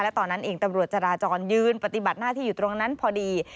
ตอนนั้นเองตำรวจจราจรยืนปฏิบัติหน้าที่อยู่ตรงนั้นพอดี